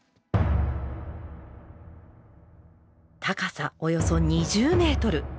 高さおよそ２０メートル